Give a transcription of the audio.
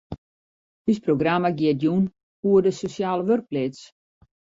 Us programma giet jûn oer de sosjale wurkpleats.